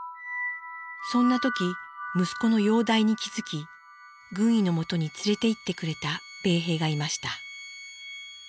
そんな時息子の容体に気付き軍医のもとに連れていってくれた米兵がいました。